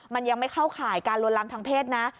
มันยังไม่เข้าข่ายการลวนลามทางเพศนะ